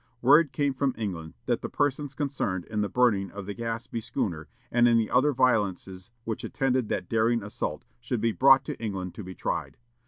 Word came from England "that the persons concerned in the burning of the Gaspee schooner, and in the other violences which attended that daring insult, should be brought to England to be tried."